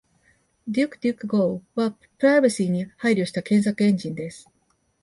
DuckDuckGo はプライバシーに配慮した検索エンジンです。